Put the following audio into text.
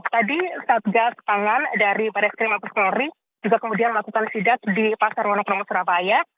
tadi satgas tangan dari barestri mabes nuri juga kemudian melakukan sidat di pasar wonok nomo surabaya